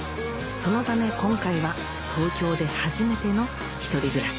そのため今回は東京で初めての１人暮らし